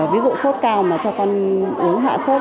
ví dụ sốt cao mà cho con uống hạ sốt